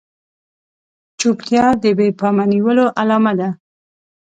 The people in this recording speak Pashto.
چوپتيا د بې پامه نيولو علامه ده.